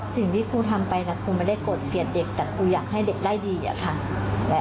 สิ่งที่ครูทำไปครูไม่ได้กดเกลียดเด็กแต่ครูอยากให้เด็กได้ดีอะค่ะ